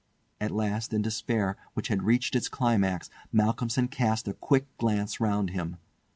At last in despair, which had reached its climax, Malcolmson cast a quick glance round him.